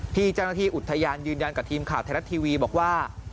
ที่เจ้าหน้าที่อุทยานยืนยันกับทีมข่าวไทยรัฐทีวีบอกว่า